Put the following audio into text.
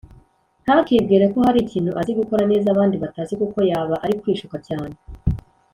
ntakibwire ko hari ikintu azi gukora neza abandi batazi kuko yaba ari kwishuka cyane